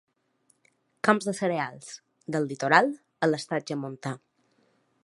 Camps de cereals, del litoral a l'estatge montà.